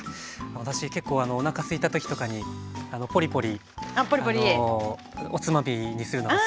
私結構おなかすいた時とかにポリポリおつまみにするの好きなんですけど。